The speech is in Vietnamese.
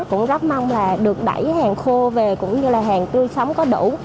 cũng rất mong là được đẩy hàng khô về cũng như là hàng tươi sống có đủ